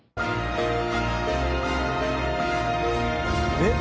えっ？